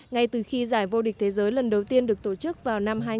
ngay từ khi giải vô địch thế giới lần đầu tiên được tổ chức vào năm hai nghìn một mươi